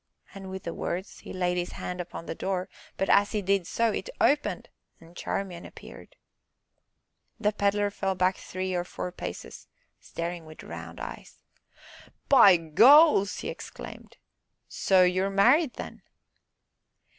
and, with the words, he laid his hand upon the door, but, as he did so, it opened, and Charmian appeared. The Pedler fell back three or four paces, staring with round eyes. "By Goles!" he exclaimed. "So you are married then?"